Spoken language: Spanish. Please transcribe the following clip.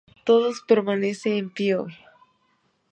Todos permanece en pie hoy.